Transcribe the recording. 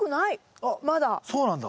あっそうなんだ？